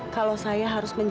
kalau saya harus berpikir